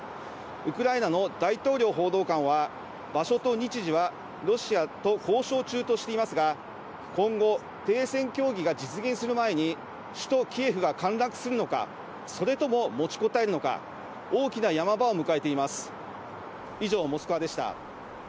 ウクライナの大統領報道官は、場所と日時はロシアと交渉中としていますが、今後、停戦協議が実現する前に首都キエフが陥落するのか、それとも持ちこたえるのか、大きなヤマ場を迎えています。